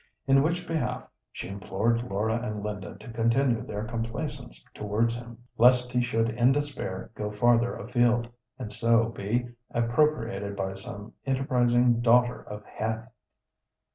In which behalf she implored Laura and Linda to continue their complaisance towards him, lest he should in despair go farther afield, and so be appropriated by some enterprising "daughter of Heth."